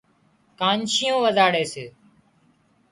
ڪانشيئون وزاڙي سي